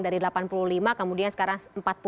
dari delapan puluh lima kemudian sekarang empat puluh